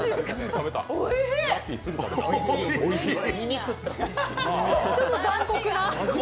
おいしい。